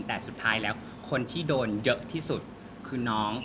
แต่สุดท้ายแล้วคนที่โดนเยอะที่สุดคือน้อง